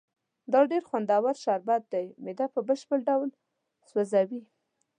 دا ډېر خوندور شربت دی، معده په بشپړ ډول سوځي.